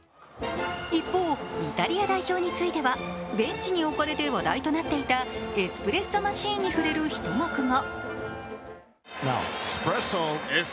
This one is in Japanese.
一方、イタリア代表については、ベンチに置かれて話題となっていた話題となっていたエスプレッソマシーンに触れる一幕も。